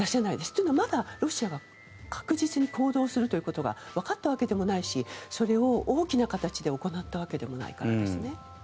というのは、まだロシアが確実に行動するということがわかったわけでもないしそれを大きな形で行ったわけでもないからですね。